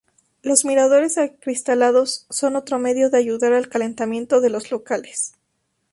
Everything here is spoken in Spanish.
Los miradores acristalados son otro medio de ayudar al calentamiento de los locales.